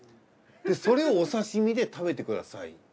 それをお刺身で食べてください。